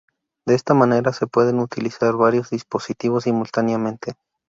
De esta manera se pueden utilizar varios dispositivos simultáneamente.